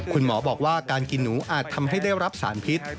คุณหมอบอกว่าการกินหนูอาจทำให้ได้รับสารพิษ